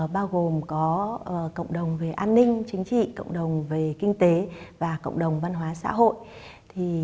bao gồm có cộng đồng về an ninh chính trị cộng đồng về kinh tế và cộng đồng văn hóa xã hội